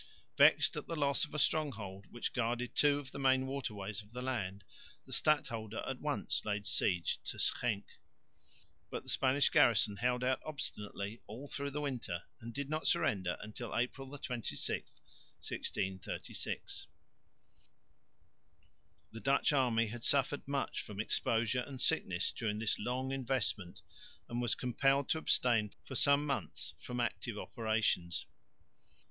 Vexed at the loss of a stronghold which guarded two of the main waterways of the land, the stadholder at once laid siege to Schenck. But the Spanish garrison held out obstinately all through the winter and did not surrender until April 26,1636. The Dutch army had suffered much from exposure and sickness during this long investment and was compelled to abstain for some months from active operations.